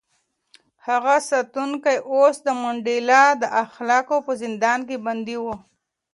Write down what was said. هغه ساتونکی اوس د منډېلا د اخلاقو په زندان کې بندي و.